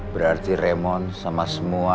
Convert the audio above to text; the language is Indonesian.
berarti raymond sama semua